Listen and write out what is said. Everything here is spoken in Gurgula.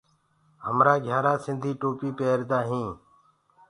همرآ گھِيآرآ سنڌي ٽوپيٚ پيردآ هينٚ۔